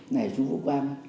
này chú vũ quang